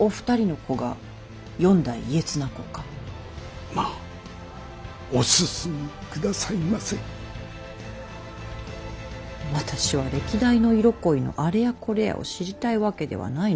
私は歴代の色恋のあれやこれやを知りたいわけではないのだがの。